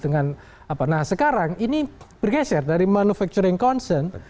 nah sekarang ini bergeser dari manufacturing concern